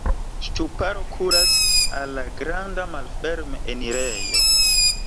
Ŝtuparo kuras al la granda malferme enirejo.